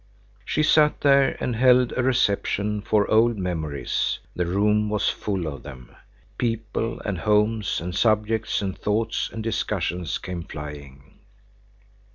She sat there and held a reception for old memories; the room was full of them. People and homes and subjects and thoughts and discussions came flying.